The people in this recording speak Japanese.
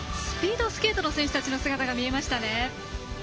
スピードスケートの選手たちの姿が見えましたね。